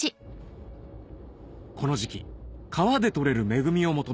この時季川で取れる恵みを求め